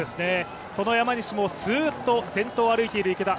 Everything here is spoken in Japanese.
その山西もすーっと先頭を歩いている池田。